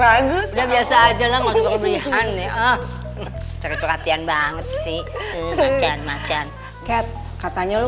bagus biasa aja lah masih berpilihan ya ah cari perhatian banget sih macan macan cat katanya lu